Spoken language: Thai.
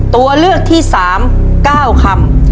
ตัวเลือกที่๓๙คำ